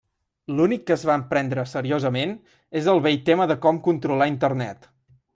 L'únic que es van prendre seriosament és el vell tema de com controlar Internet.